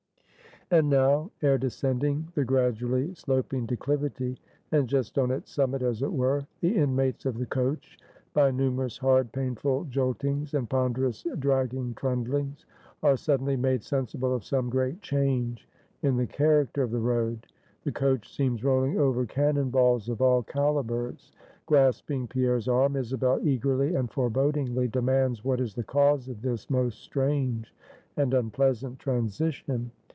And now, ere descending the gradually sloping declivity, and just on its summit as it were, the inmates of the coach, by numerous hard, painful joltings, and ponderous, dragging trundlings, are suddenly made sensible of some great change in the character of the road. The coach seems rolling over cannon balls of all calibers. Grasping Pierre's arm, Isabel eagerly and forebodingly demands what is the cause of this most strange and unpleasant transition.